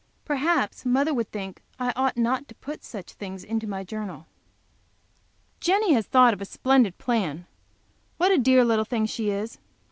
Perhaps mother would think I ought not to put such things into my journal. Jenny has thought of such a splendid plan! What a dear little thing she is!